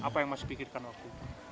apa yang masih pikirkan waktu itu